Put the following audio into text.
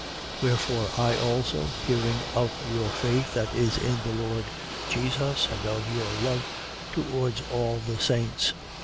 Wherefore, I also, hearing of your faith that is in the Lord Jesus and of your love towards all the saints, 1:16.